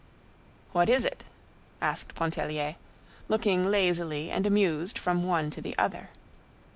"What is it?" asked Pontellier, looking lazily and amused from one to the other.